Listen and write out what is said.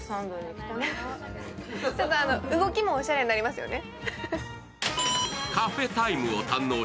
動きもおしゃれになりますよね。